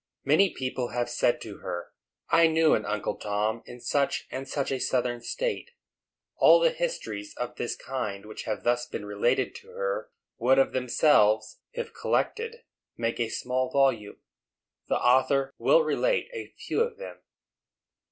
Many people have said to her, "I knew an Uncle Tom in such and such a Southern State." All the histories of this kind which have thus been related to her would of themselves, if collected, make a small volume. The author will relate a few of them.